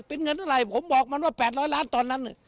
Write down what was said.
เป็นเงินเท่าไหร่ผมบอกมันว่า๘๐๐ล้านตอนนั้น